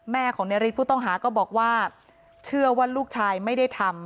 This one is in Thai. ของในฤทธิผู้ต้องหาก็บอกว่าเชื่อว่าลูกชายไม่ได้ทำ